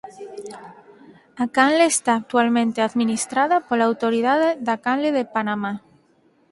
A canle está actualmente administrada pola "Autoridade da Canle de Panamá".